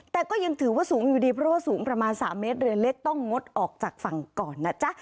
แต่ก็ยังถือว่าสูงอยู่ดีเพราะว่าสูงประมาณ๓เมตรเรือเล็กต้องงดออกจากฝั่งก่อนนะจ๊ะ